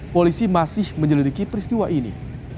polisi masih menyelidiki peristiwa ini